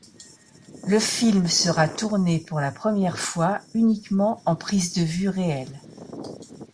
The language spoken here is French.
Le film sera tourné pour la première fois uniquement en prises de vue réelles.